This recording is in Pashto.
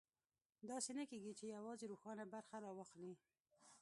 داسې نه کېږي چې یوازې روښانه برخه راواخلي.